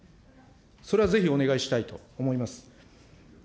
それはぜひお願いしたいと思います。